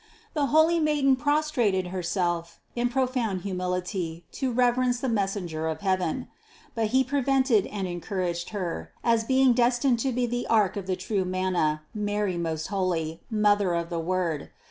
The holy maiden prostrated herself in profound humility to reverence the messenger of heaven; but he prevented and encouraged her, as being destined to be the ark of the true manna, Mary most holy, Mother of the Word.